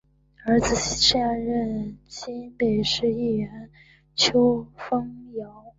儿子是现任新北市议员邱烽尧。